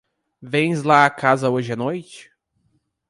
Vens lá a casa hoje à noite?